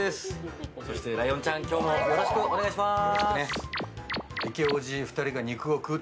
ライオンちゃん、今日もよろしくお願いします。